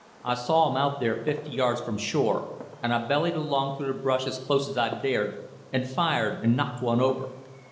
I saw 'em out there fifty yards from shore, and I bellied along through the brush as close as I dared, and fired and knocked one over.